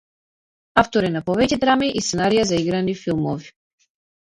Автор е на повеќе драми и сценарија за играни филмови.